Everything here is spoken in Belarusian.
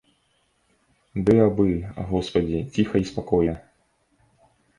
Ды абы, госпадзі, ціха і спакойна.